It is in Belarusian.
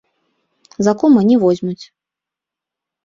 За кума не возьмуць.